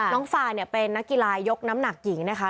ฟาเนี่ยเป็นนักกีฬายกน้ำหนักหญิงนะคะ